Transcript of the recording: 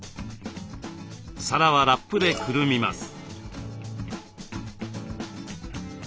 皿はラップでくるみます。